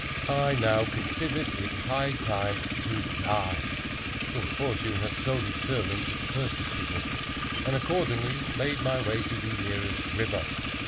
I now considered it high time to die, (since fortune had so determined to persecute me,) and accordingly made my way to the nearest river.